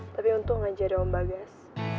tapi untung aja ada om bagas